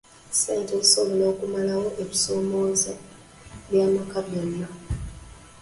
Ssente zisobola okumalawo ebisoomooza by'amaka byonna?